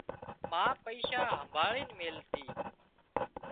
ما پئيشا همڀاۯينَ ميليتي